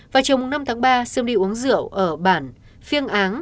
vào chiều năm tháng ba sương đi uống rượu ở bản phiêng áng